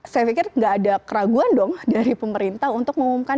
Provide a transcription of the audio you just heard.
saya pikir nggak ada keraguan dong dari pemerintah untuk mengumumkan